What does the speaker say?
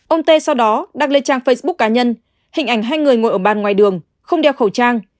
ông tê sau đó đăng lên trang facebook cá nhân hình ảnh hai người ngồi ở bàn ngoài đường không đeo khẩu trang